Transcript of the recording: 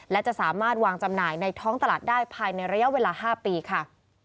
และจะสามารถวางจำหน่ายในท้องตลาดได้ภายในระยะเวลา๕ปีค่ะ